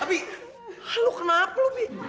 tapi lu kenapa lu nih